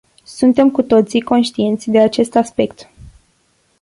Suntem cu toții conștienți de acest aspect.